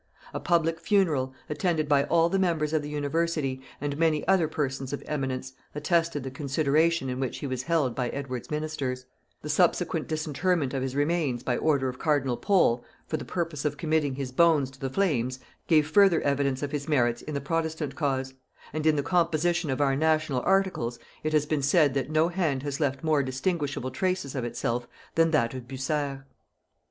A public funeral, attended by all the members of the university and many other persons of eminence, attested the consideration in which he was held by Edward's ministers; the subsequent disinterment of his remains by order of cardinal Pole, for the purpose of committing his bones to the flames, gave further evidence of his merits in the protestant cause; and in the composition of our national Articles, it has been said that no hand has left more distinguishable traces of itself than that of Bucer.